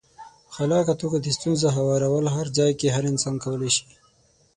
په خلاقه توګه د ستونزو هوارول هر ځای کې هر انسان کولای شي.